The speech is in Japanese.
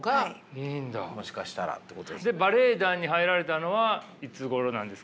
バレエ団に入られたのはいつごろなんですか。